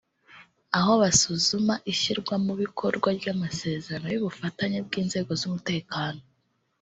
aho basuzuma ishyirwamubikorwa ry’amasezerano y’ubufatanye bw’inzego z’umutekano